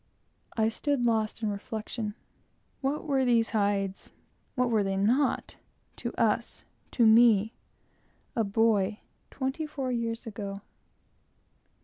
I stood lost in reflection. What were these hides what were they not? to us, to me, a boy, twenty four years ago?